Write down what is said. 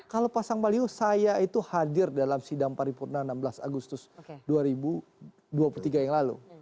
kalau pasang baliho saya itu hadir dalam sidang paripurna enam belas agustus dua ribu dua puluh tiga yang lalu